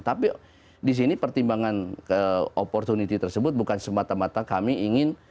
tapi di sini pertimbangan opportunity tersebut bukan semata mata kami ingin